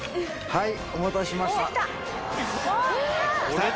はい。